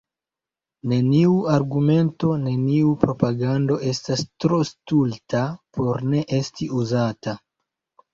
Neniu argumento, neniu propagando estas tro stulta por ne esti uzata.